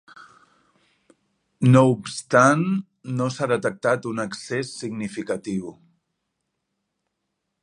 No obstant, no s'ha detectat un excés significatiu.